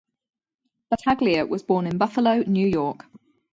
Battaglia was born in Buffalo, New York.